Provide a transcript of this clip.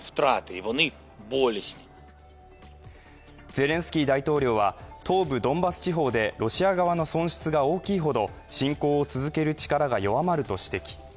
ゼレンスキー大統領は、東部ドンバス地方で、ロシア側の損失が大きいほど侵攻を続ける力が弱まると指摘。